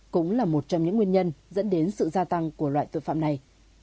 cũng là một trong những nguyên nhân dẫn đến sự gia tăng của loại tội phạm này